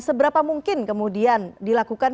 seberapa mungkin kemudian dilakukan